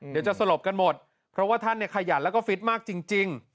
เดี๋ยวจะสลบกันหมดเพราะว่าท่านเนี่ยขยันแล้วก็ฟิตมากจริง